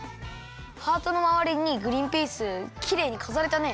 ハートのまわりにグリンピースきれいにかざれたね！